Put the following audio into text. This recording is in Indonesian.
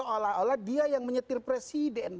seolah olah dia yang menyetir presiden